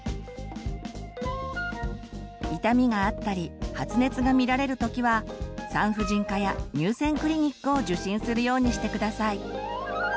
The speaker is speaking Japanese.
痛みがあったり発熱が見られる時は産婦人科や乳腺クリニックを受診するようにして下さい。